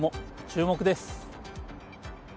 注目です。